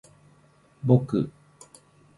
ぼく